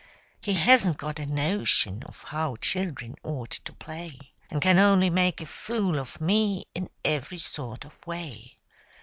He hasn't got a notion of how children ought to play, And can only make a fool of me in every sort of way.